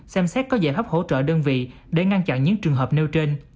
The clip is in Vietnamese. xem xét có giải pháp hỗ trợ đơn vị để ngăn chặn những trường hợp nêu trên